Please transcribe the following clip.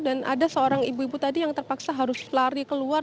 ada seorang ibu ibu tadi yang terpaksa harus lari keluar